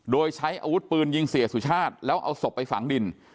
โดยใช้อาวุธปืนยิงเสียสุชาติแล้วเอาศพไปฝังดิน